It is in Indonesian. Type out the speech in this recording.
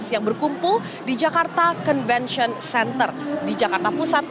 yang berkumpul di jakarta convention center di jakarta pusat